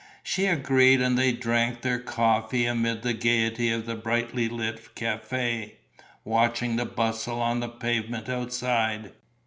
She agreed and they drank their coffee amid the gaiety of the brightly lit café, watching the bustle on the pavement outside.